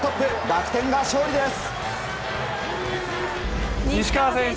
楽天が勝利です。